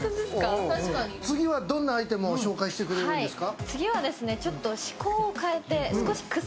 次はどんなアイテムを紹介してくれるんですか？